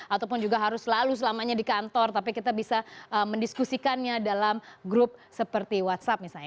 ataupun juga harus selalu selamanya di kantor tapi kita bisa mendiskusikannya dalam grup seperti whatsapp misalnya